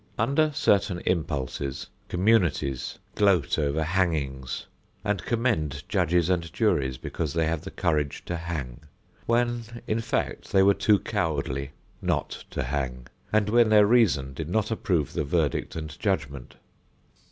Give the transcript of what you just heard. Under certain impulses, communities gloat over hangings and commend judges and juries because they have the courage to hang, when, in fact, they were too cowardly not to hang and when their reason did not approve the verdict and judgment.